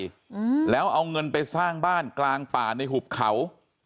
อืมแล้วเอาเงินไปสร้างบ้านกลางป่าในหุบเขา